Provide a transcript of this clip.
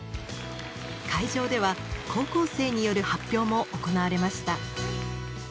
会場では高校生による発表も行われました。